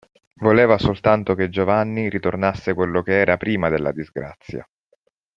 Voleva soltanto che Giovanni ritornasse quello che era prima della disgrazia.